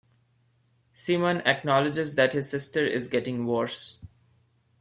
Simon acknowledges that his sister is getting worse.